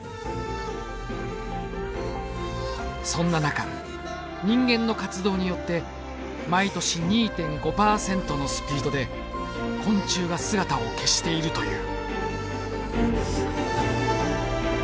そんな中人間の活動によって毎年２．５％のスピードで昆虫が姿を消しているという。